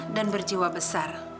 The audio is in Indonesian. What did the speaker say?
dan berjiwa besar